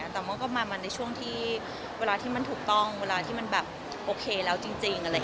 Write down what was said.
แต่ว่าก็มาในช่วงที่เวลาที่มันถูกต้องเวลาที่มันแบบโอเคแล้วจริง